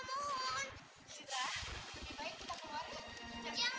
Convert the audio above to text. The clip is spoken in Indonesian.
biar aja citra disini ya